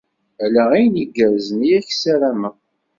Ala ayen igerrzen i ak-ssarameɣ.